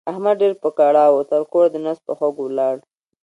احمد ډېر په کړاو وو؛ تر کوره د نس په خوږو ولاړ.